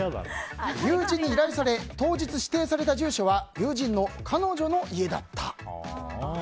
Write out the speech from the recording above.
友人に以来され当日、指定された住所は友人の彼女の家だった。